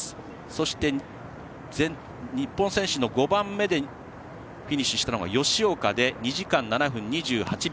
そして、日本選手の５番目でフィニッシュしたのが吉岡で、２時間７分２８秒。